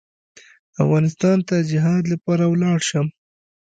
افغانستان ته جهاد لپاره ولاړ شم.